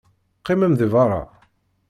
Qqimem deg beṛṛa.